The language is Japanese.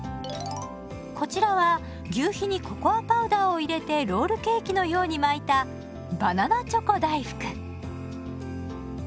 こちらは求肥にココアパウダーを入れてロールケーキのように巻いたバナナチョコ大福。